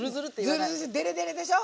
デレデレでしょ？